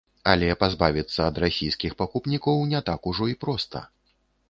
Але пазбавіцца ад расійскіх пакупнікоў не так ужо і проста!